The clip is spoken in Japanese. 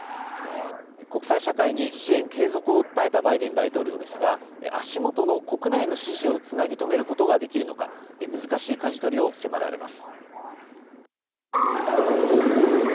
国際社会に支援継続を訴えたバイデン大統領ですが、足元の国内の支持をつなぎとめることができるのか、難しいかじ取りを迫られます。